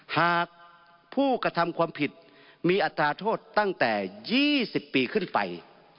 หากผู้กระทำความผิดมีอัตราโทษตั้งแต่๒๐ปีขึ้นไป